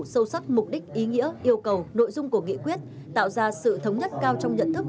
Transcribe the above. sâu sắc mục đích ý nghĩa yêu cầu nội dung của nghị quyết tạo ra sự thống nhất cao trong nhận thức